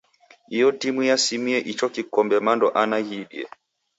Iyo timu yasimie icho kikombe mando ana ghiidie.